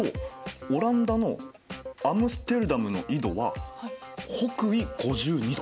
オランダのアムステルダムの緯度は北緯５２度。